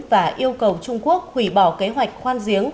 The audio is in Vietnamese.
và yêu cầu trung quốc hủy bỏ kế hoạch khoan giếng